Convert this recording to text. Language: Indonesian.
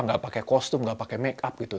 gak pakai kostum gak pakai make up gitu